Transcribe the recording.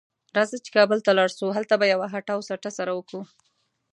راځه چې کابل ته ولاړ شو؛ هلته به یوه هټه او سټه سره وکړو.